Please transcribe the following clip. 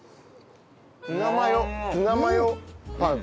ツナマヨツナマヨパン。